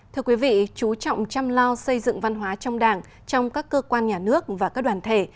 thưa quý vị chú trọng chăm lo xây dựng văn hóa trong đảng trong các cơ quan nhà nước và các đoàn thể